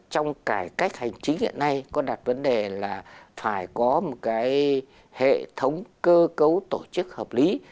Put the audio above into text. trong cải cách hành chính hiện nay có đặt vấn đề là phải có một cái hệ thống cơ cấu tổ chức hợp lý